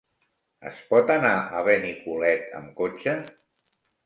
Es pot anar a Benicolet amb cotxe?